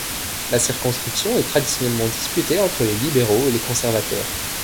La circonscription est traditionnellement disputée entre les libéraux et les conservateurs.